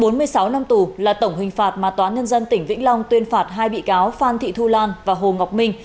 bốn mươi sáu năm tù là tổng hình phạt mà toán nhân dân tỉnh vĩnh long tuyên phạt hai bị cáo phan thị thu lan và hồ ngọc minh